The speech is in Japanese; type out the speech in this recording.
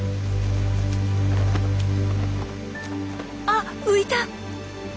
あ浮いた！